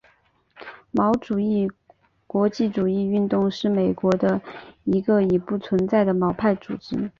毛主义国际主义运动是美国的一个已不存在的毛派组织。